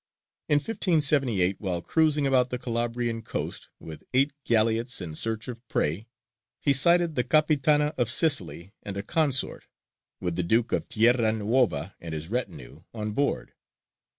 In 1578, while cruising about the Calabrian coast with eight galleots in search of prey, he sighted the Capitana of Sicily and a consort, with the Duke of Tierra Nuova and his retinue on board.